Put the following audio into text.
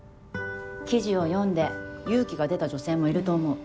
記事を読んで勇気が出た女性もいると思う。